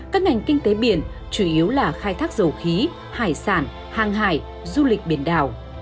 các ngành kinh tế biển chủ yếu là khai thác dầu khí hải sản hàng hải du lịch biển đảo